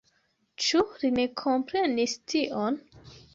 Ĉu li ne komprenis tion?